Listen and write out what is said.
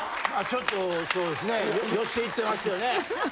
ちょっとそうですね寄せていってますよね。